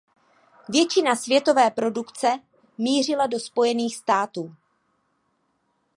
Většina světové produkce mířila do Spojených států.